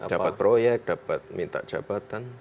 dapat proyek dapat minta jabatan